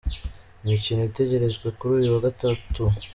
Imikino itegerejwe kuri uyu wa Gatatu.